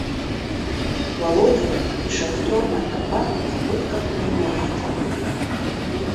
Володиа ишахтиор маҭәақәа абудкаҟны инариҭан.